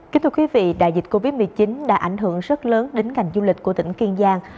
kính thưa quý vị đại dịch covid một mươi chín đã ảnh hưởng rất lớn đến ngành du lịch của tỉnh kiên giang